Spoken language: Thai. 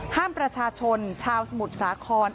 ห้ามประชาชนชาวสมุทรสาคร